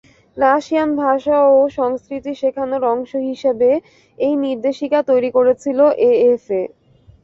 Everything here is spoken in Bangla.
রাশিয়ান ভাষা ও সংস্কৃতি শেখানোর অংশ হিসেবে এই নির্দেশিকা তৈরি করেছিল এএফএ।